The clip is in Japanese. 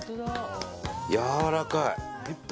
やわらかい。